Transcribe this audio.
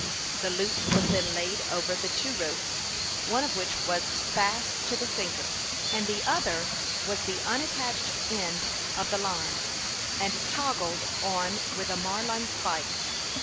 The loop was then laid over the two ropes, one of which was fast to the sinker, and the other was the unattached end of the line, and " toggled " on with a marline spike.